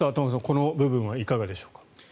この部分はいかがでしょうか。